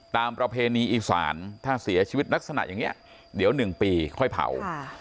ประเพณีอีสานถ้าเสียชีวิตลักษณะอย่างนี้เดี๋ยว๑ปีค่อยเผา